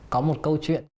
có một câu chuyện